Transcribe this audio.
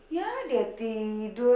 ya dia tidur